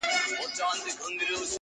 • ځمه گريوان پر سمندر باندي څيرم.